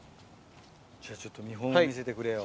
じゃあちょっと見本を見せてくれよ。